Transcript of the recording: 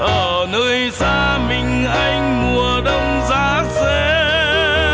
ở nơi xa mình anh mùa đông giá rét